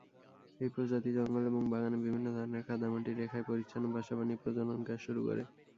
এই প্রজাতি জঙ্গল এবং বাগানে, বিভিন্ন ধরনের কাদা-মাটির রেখায়, পরিচ্ছন্ন বাসা বানিয়ে প্রজনন কাজ শুরু করে।